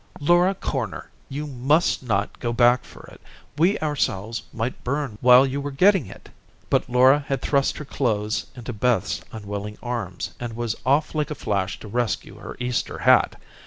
"Laura Corner, you must not go back for it. We ourselves might burn while you were getting it." But Laura had thrust her clothes into Beth's unwilling arms, and was off like a flash to rescue her Easter hat.